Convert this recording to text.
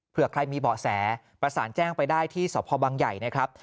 เพื่อใครมีเบาะแสประสานแจ้งไปได้ที่สพบังใหญ่นะครับ